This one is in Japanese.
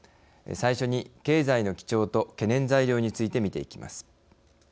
最初に経済の基調と懸念材料についてみていきます。